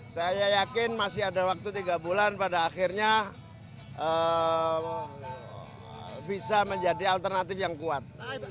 saya yakin masih ada waktu tiga bulan pada akhirnya bisa menjadi alternatif yang kuat